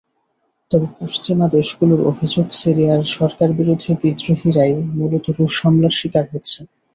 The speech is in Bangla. তবে পশ্চিমা দেশগুলোর অভিযোগ, সিরিয়ার সরকারবিরোধী বিদ্রোহীরাই মূলত রুশ হামলার শিকার হচ্ছে।